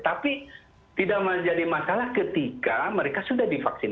tapi tidak menjadi masalah ketika mereka sudah divaksin